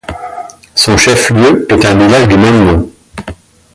Son chef-lieu est un village du même nom.